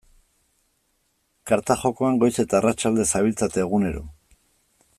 Karta jokoan goiz eta arratsalde zabiltzate egunero.